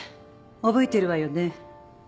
覚えてるわよね？